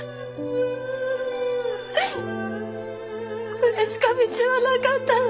これしか道はなかったの。